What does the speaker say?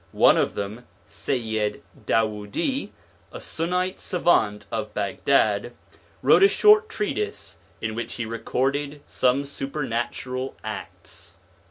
One of them, Sayyid Dawoudi, a Sunnite savant of Baghdad, wrote a short treatise in which he recorded some supernatural acts.